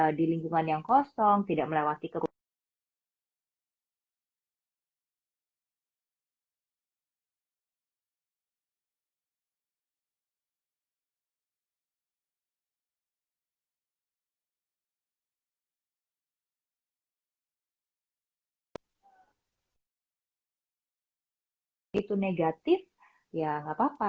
kalau misalnya orang rumah yang kosong tidak melewati kerugian itu negatif ya nggak apa apa